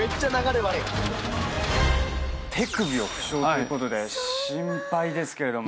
手首を負傷ということで心配ですけれども。